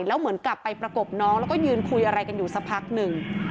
แล้วเหมือนกลับไปประกบน้องแล้วก็ยืนคุยอะไรกันอยู่สักพักหนึ่ง